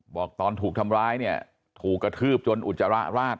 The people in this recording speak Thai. บอกตอนถูกทำร้ายเนี่ยถูกกระทืบจนอุจจาระราด